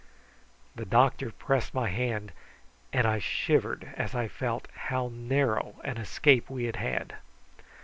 The doctor pressed my hand, and I shivered as I felt how narrow an escape we had had.